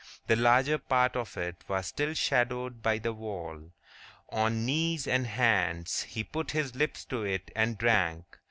The larger part of it was still shadowed by the wall. On knees and hands, he put his lips to it and drank.